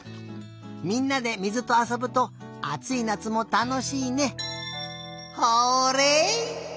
みんなで水とあそぶとあついなつもたのしいね。